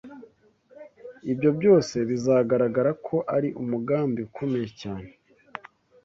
ibyo byose bizagaragara ko ari umugambi ukomeye cyane